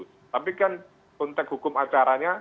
tapi kan konteks hukum acaranya